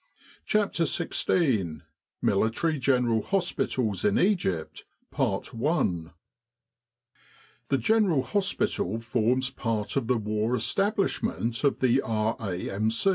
230 CHAPTER XVI MILITARY GENERAL HOSPITALS IN EGYPT THE General Hospital forms part of the War Estab lishment of the R.A.M.